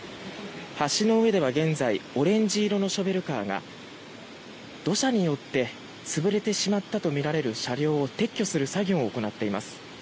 橋の上では現在オレンジ色のショベルカーが土砂によって潰れてしまったとみられる車両を撤去する作業を行っています。